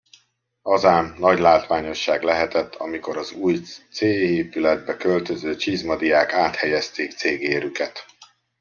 Az ám, nagy látványosság lehetett, amikor az új céhépületbe költöző csizmadiák áthelyezték cégérüket!